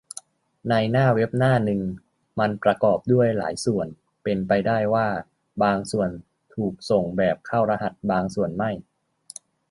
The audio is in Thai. ในหน้าเว็บหน้านึง มันประกอบด้วยหลายส่วน เป็นไปได้ว่า บางส่วนถูกส่งแบบเข้ารหัส บางสวนไม่